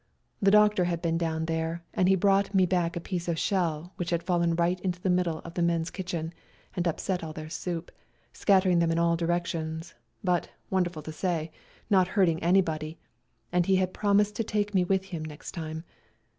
The doctor had been down there, and he brought me back a piece of shell which had fallen right into the middle of the men's kitchen and upset all their soup, scattering them in all directions, but, w^onderful to say, not hurting anybody, and he had promised to take me with him next time.